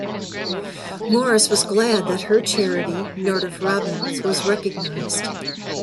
Morris was glad that her charity, Nordoff-Robbins was recognised.